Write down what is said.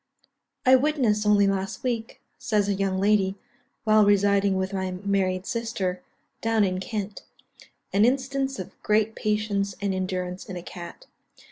"I witnessed, only last week," says a young lady, "while residing with my married sister, down in Kent, an instance of great patience and endurance in a cat.